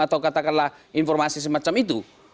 atau katakanlah informasi semacam itu